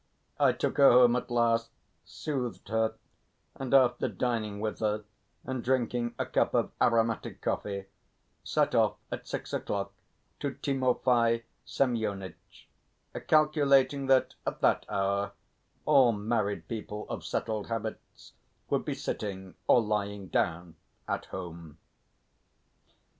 I took her home at last, soothed her, and after dining with her and drinking a cup of aromatic coffee, set off at six o'clock to Timofey Semyonitch, calculating that at that hour all married people of settled habits would be sitting or lying down at home.